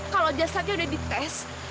kalau jasadnya udah dites